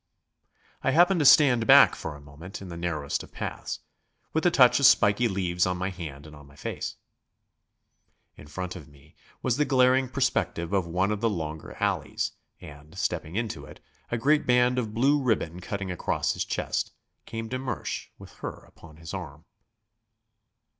I happened to stand back for a moment in the narrowest of paths, with the touch of spiky leaves on my hand and on my face. In front of me was the glaring perspective of one of the longer alleys, and, stepping into it, a great band of blue ribbon cutting across his chest, came de Mersch with her upon his arm.